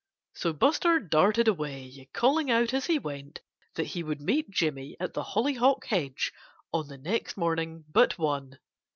So Buster darted away, calling out as he went that he would meet Jimmy at the hollyhock hedge on the next morning but one.